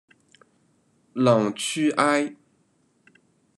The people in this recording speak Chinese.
朗屈艾。